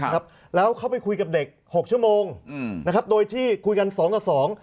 ครับแล้วเข้าไปคุยกับเด็กหกชั่วโมงอืมนะครับโดยที่คุยกันสองกับสอง